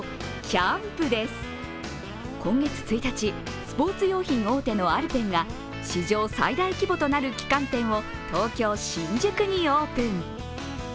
今月１日、スポーツ用品大手のアルペンが、史上最大規模となる旗艦店を東京・新宿にオープン。